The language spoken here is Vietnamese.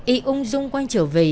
y ung dung quanh trở về